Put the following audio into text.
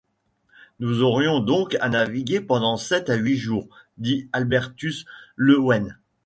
Nous aurions donc à naviguer pendant sept à huit jours?... dit Albertus Leuwen.